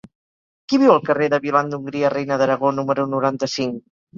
Qui viu al carrer de Violant d'Hongria Reina d'Aragó número noranta-cinc?